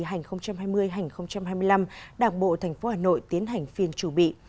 hành hai mươi hành hai mươi năm đảng bộ tp hà nội tiến hành phiên chủ bị